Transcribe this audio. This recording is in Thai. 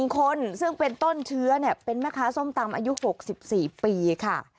๑คนซึ่งเป็นต้นเชื้อเป็นแม่ค้าส้มตำอายุ๖๔ปีค่ะ